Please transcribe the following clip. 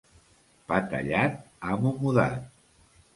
Pa tallat, amo mudat.